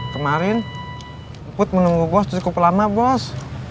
kemarin put menunggu gue cukup lama bos